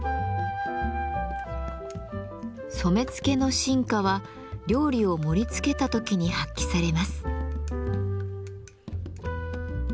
染付の真価は料理を盛りつけた時に発揮されます。